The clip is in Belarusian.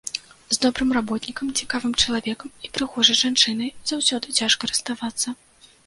З добрым работнікам, цікавым чалавекам і прыгожай жанчынай заўсёды цяжка расставацца.